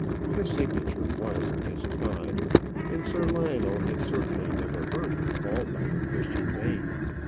Her signature was S. Todd; and Sir Lionel had certainly never heard her called by her Christian name.